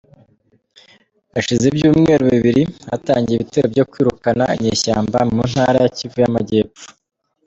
Hashize ibyumweru bibiri hatangiye ibitero byo kwirukana inyeshyamba mu Ntara ya Kivu y’Amajyepfo.